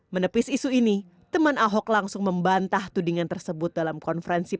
menepis isu ini teman ahok langsung membantah tudingan tersebut dalam konferensi